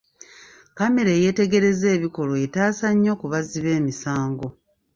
Kkamera eyeetegereza ebikolwa etaasa nnyo ku bazzi b'emisango.